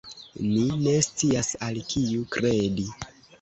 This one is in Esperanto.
Ni ne scias, al kiu kredi.